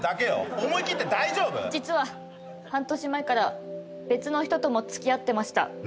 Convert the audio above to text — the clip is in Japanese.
実は半年前から別の人とも付き合ってました。